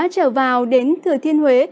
trở vào đến thừa thiên huế